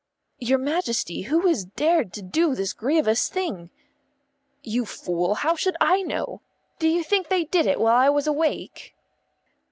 "Your Majesty, who has dared to do this grievous thing?" "You fool, how should I know? Do you think they did it while I was awake?"